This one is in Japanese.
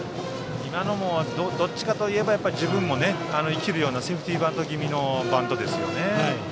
今のもどちらかといえば自分も生きるようなセーフティーバント気味のバントですね。